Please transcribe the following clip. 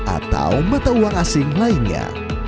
atau mata uang asing lainnya